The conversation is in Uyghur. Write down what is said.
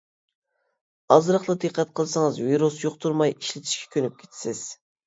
ئازراقلا دىققەت قىلسىڭىز ۋىرۇس يۇقتۇرماي ئىشلىتىشكە كۆنۈپ كېتىسىز.